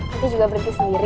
nanti juga berhenti sendiri